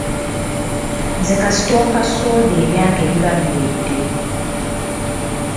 Nze kasita ompa soda ebyange biba biwedde.